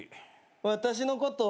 私のこと。